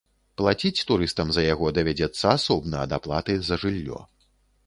Плаціць турыстам за яго давядзецца асобна ад аплаты за жыллё.